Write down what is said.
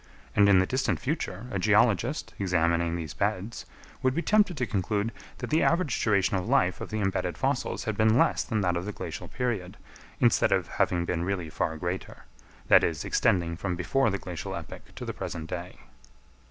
And in the distant future, a geologist, examining these beds, would be tempted to conclude that the average duration of life of the embedded fossils had been less than that of the glacial period, instead of having been really far greater, that is, extending from before the glacial epoch to the present day.